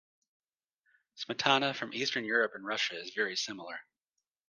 "Smetana" from Eastern Europe and Russia is very similar.